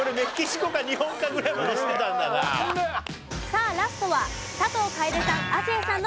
さあラストは佐藤楓さん